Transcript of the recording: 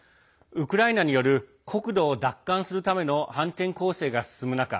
ウクライナによる国土を奪還するための反転攻勢が進む中